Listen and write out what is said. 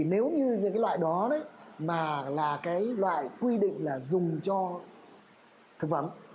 nếu như loại đó là loại quy định dùng cho thực phẩm